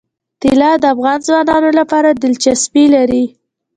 طلا د افغان ځوانانو لپاره دلچسپي لري.